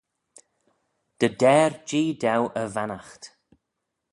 Dy der Jee dou e vannaght